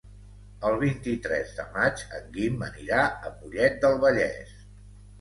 El vint-i-tres de maig en Guim anirà a Mollet del Vallès.